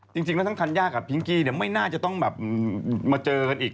จริงแล้วทั้งธัญญากับพิงกี้ไม่น่าจะต้องแบบมาเจอกันอีก